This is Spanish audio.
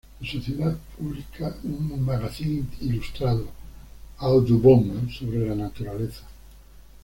La sociedad pública un magazín ilustrado, "Audubon", sobre la naturaleza.